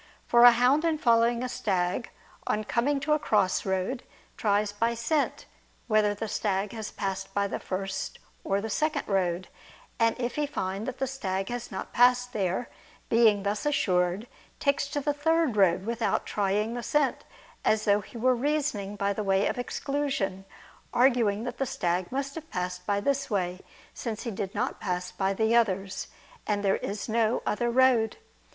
For a hound in following a stag, on coming to a crossroad, tries by scent whether the stag has passed by the first or the second road: and if he find that the stag has not passed there, being thus assured, takes to the third road without trying the scent; as though he were reasoning by way of exclusion, arguing that the stag must have passed by this way, since he did not pass by the others, and there is no other road.